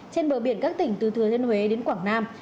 trên bờ biển các tỉnh từ thừa thiên huế đến quảng nam